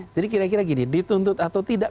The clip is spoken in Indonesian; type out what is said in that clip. kira kira gini dituntut atau tidak